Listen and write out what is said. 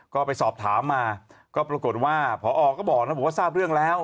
ก็ไปสอบถามมาก็ปรากฏว่าพอก็บอกนะบอกว่าทราบเรื่องแล้ว